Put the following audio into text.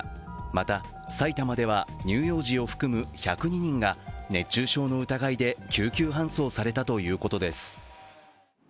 また埼玉では乳幼児を含む１０２人が熱中症の疑いで救急搬送されたということです。